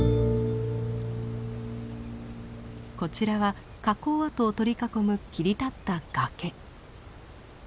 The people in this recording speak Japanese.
こちらは火口跡を取り囲む切り立った崖。